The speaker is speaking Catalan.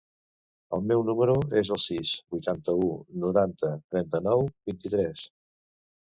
El meu número es el sis, vuitanta-u, noranta, trenta-nou, vint-i-tres.